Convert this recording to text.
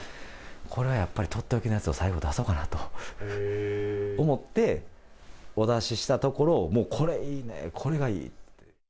これはやっぱり、取って置きのやつを最後出そうかなと思って、お出ししたところ、もう、これいいね、これがいい！